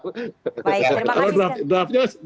baik terima kasih sekali